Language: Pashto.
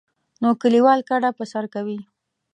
نو کلیوال کډه په سر کوي.